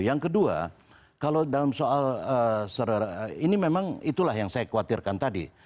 yang kedua kalau dalam soal ini memang itulah yang saya khawatirkan tadi